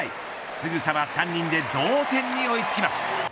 すぐさま３人で同点に追いつきます。